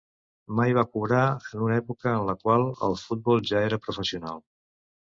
Mai va cobrar en una època en la qual el futbol ja era professional.